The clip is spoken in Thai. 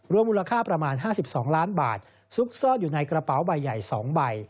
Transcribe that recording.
มูลค่าประมาณ๕๒ล้านบาทซุกซ่อนอยู่ในกระเป๋าใบใหญ่๒ใบ